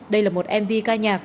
đây là một mv ca nhạc